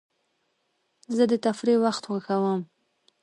زه د تفریح وخت خوښوم.